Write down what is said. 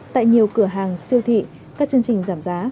tại nhiều cửa hàng siêu thị các chương trình giảm giá